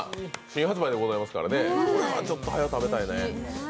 新発売でございますから、これはちょっとはよ食べたいね。